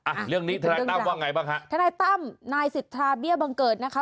อ่ะเรื่องนี้ทนายตั้มว่าไงบ้างฮะทนายตั้มนายสิทธาเบี้ยบังเกิดนะคะ